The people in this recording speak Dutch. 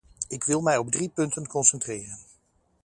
Ik wil mij op drie punten concentreren.